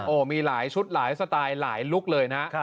โอ้โหมีหลายชุดหลายสไตล์หลายลุคเลยนะ